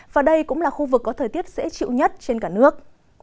và đây cũng là khu vực có thời tiết dễ chịu nhất trên cả nước